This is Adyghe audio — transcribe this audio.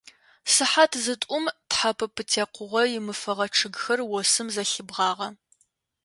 Сыхьат зытӏум тхьэпэ пытэкъугъо имыфэгъэ чъыгхэр осым зэлъибгъагъэ.